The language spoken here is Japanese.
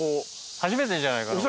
初めてじゃないかな。